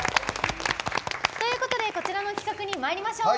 こちらの企画にまいりましょう。